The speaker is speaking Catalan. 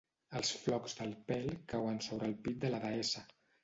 Els flocs del pèl cauen sobre el pit de la deessa.